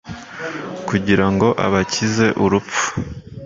kugira ngo abakize urupfu